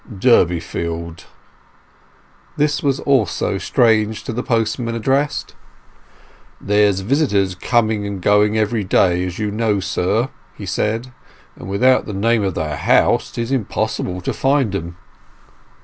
"Durbeyfield?" This also was strange to the postman addressed. "There's visitors coming and going every day, as you know, sir," he said; "and without the name of the house 'tis impossible to find 'em."